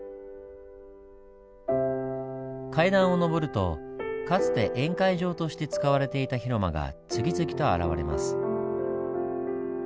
階段を上るとかつて宴会場として使われていた広間が次々と現れます。